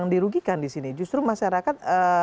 dirugikan di sini justru masyarakat